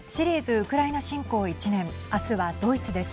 ウクライナ侵攻１年明日はドイツです。